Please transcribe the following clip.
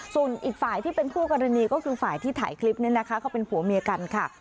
ส่วนอีกฝ่ายที่เป็นคู่กรณีก็คือฝ่ายที่ถ่ายคลิปนี้นะคะเขาเป็นผัวเมียกันค่ะ